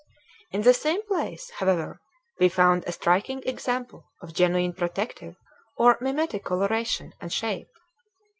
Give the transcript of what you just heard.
In the same place, however, we found a striking example of genuine protective or mimetic coloration and shape.